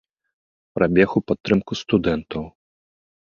Прабег у падтрымку студэнтаў.